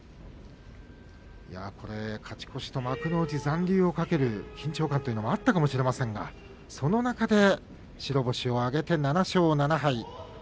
勝ち越しと幕内残留をかける緊張感というのはあったかもしれませんが、その中で白星を挙げて７勝７敗。